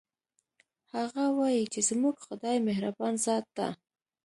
هغه وایي چې زموږ خدایمهربان ذات ده